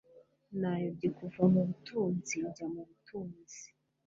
nayobye kuva mu butunzi njya mu butunzi